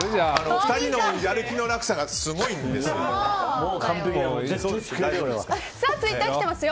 ２人のやる気の落差がすごいんですよ。